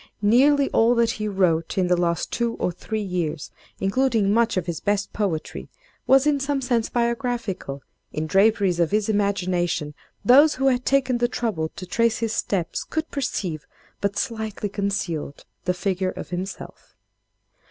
Nearly all that he wrote in the last two or three years—including much of his best poetry—was in some sense biographical; in draperies of his imagination, those who had taken the trouble to trace his steps, could perceive, but slightly concealed, the figure of himself."